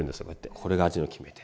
これが味の決め手